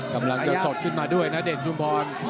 กำลังจะสดขึ้นมาด้วยนะเดชชุมพร